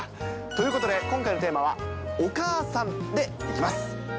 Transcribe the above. ということで、今回のテーマはお母さんでいきます。